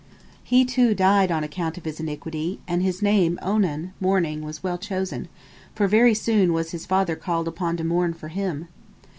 He, too, died on account of his iniquity, and his name Onan "mourning," was well chosen, for very soon was his father called upon to mourn for him.